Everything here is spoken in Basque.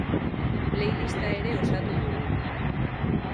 Playlista ere osatu dugu.